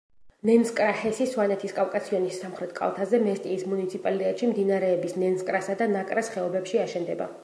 ნენსკრა ჰესი სვანეთის კავკასიონის სამხრეთ კალთაზე, მესტიის მუნიციპალიტეტში, მდინარეების ნენსკრასა და ნაკრას ხეობებში აშენდება.